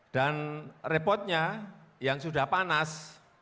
dan repotnya yang sudah panas